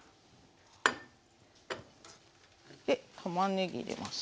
でたまねぎ入れます。